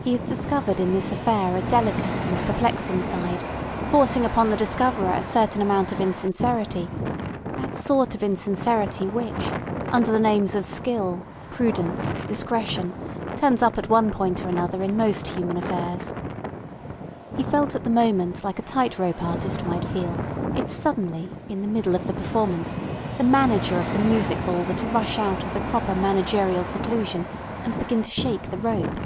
He had discovered in this affair a delicate and perplexing side, forcing upon the discoverer a certain amount of insincerity—that sort of insincerity which, under the names of skill, prudence, discretion, turns up at one point or another in most human affairs. He felt at the moment like a tight rope artist might feel if suddenly, in the middle of the performance, the manager of the Music Hall were to rush out of the proper managerial seclusion and begin to shake the rope.